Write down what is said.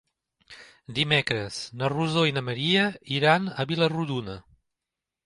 Dimecres na Rosó i na Maria iran a Vila-rodona.